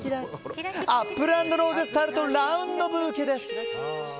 アップル＆ローゼスタルトラウンドブーケです。